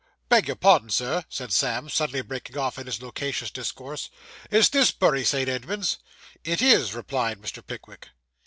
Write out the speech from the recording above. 'Beg your pardon, sir,' said Sam, suddenly breaking off in his loquacious discourse. 'Is this Bury St. Edmunds?' 'It is,' replied Mr. Pickwick.